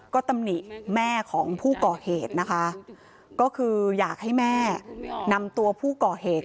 ก็ตำหนิแม่ของผู้ก่อเหตุนะคะก็คืออยากให้แม่นำตัวผู้ก่อเหตุ